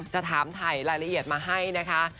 จะถามถ่ายรายละเอียดมาให้นะคะ